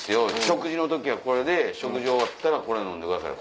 食事の時はこれで食事終わったらこれ飲んでください。